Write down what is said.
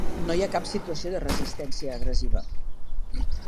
No hi ha cap situació de resistència agressiva.